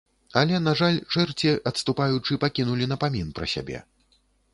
Але, на жаль, чэрці, адступаючы, пакінулі напамін пра сябе.